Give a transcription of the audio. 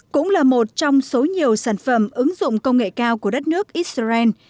cũng là một trong số nhiều sản phẩm ứng dụng công nghệ cao của đất nước israel